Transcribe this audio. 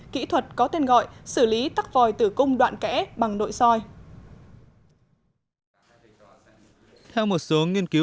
kỹ thuật có tên gọi xử lý tắc vòi tử cung đoạn kẽ bằng nội soi